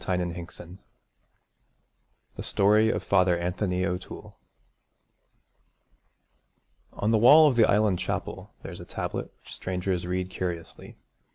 II THE STORY OF FATHER ANTHONY O'TOOLE On the wall of the Island Chapel there is a tablet which strangers read curiously.